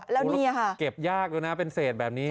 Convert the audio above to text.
แล้วนี่ค่ะเก็บยากด้วยนะเป็นเศษแบบนี้